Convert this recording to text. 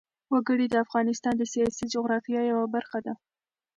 وګړي د افغانستان د سیاسي جغرافیه یوه برخه ده.